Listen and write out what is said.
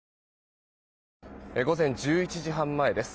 午前１１時半前です。